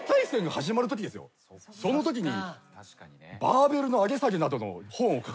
そのときに。